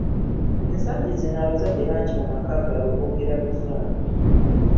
Ensangi zino abazadde bangi mu maka gaabwe boogera luzungu.